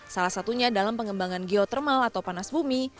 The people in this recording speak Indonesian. salah satunya dalam pengembangan geotermal atau panas bumi